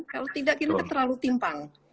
kalau tidak kita terlalu timpang